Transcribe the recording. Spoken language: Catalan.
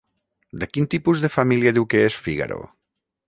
De quin tipus de família diu que és Fígaro?